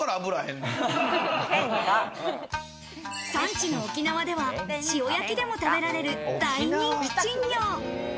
産地の沖縄では、塩焼きでも食べられる大人気珍魚。